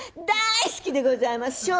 だいすきでございます。